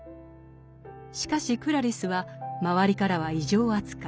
しかしクラリスは周りからは異常扱い。